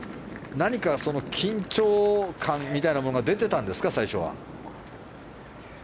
何か緊張感みたいなものが出ていたんですか、最初は。